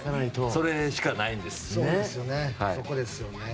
それしかないです。